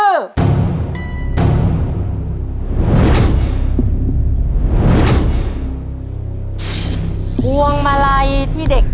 ต้นไม้ประจำจังหวัดระยองการครับ